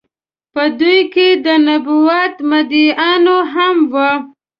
په دوی کې د نبوت مدعيانو هم وو